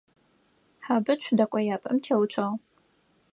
Хьэбыцу дэкӏояпӏэм теуцуагъ.